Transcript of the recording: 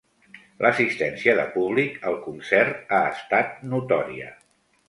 L'assistència de públic al concert ha estat notòria.